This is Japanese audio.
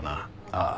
ああ。